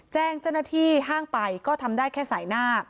แจ้งเจ้าหน้าที่ห้างไปก็ทำได้แค่สายหน้า